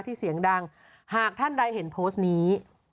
เสียงดังหากท่านใดเห็นโพสต์นี้